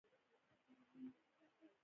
د توازن حس په داخلي غوږ کې ساتل کېږي.